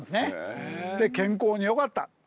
で健康によかった。